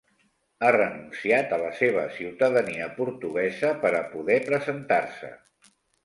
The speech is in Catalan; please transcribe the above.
Ha renunciat a la seva ciutadania portuguesa per a poder presentar-se.